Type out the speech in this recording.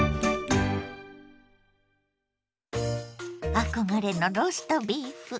憧れのローストビーフ。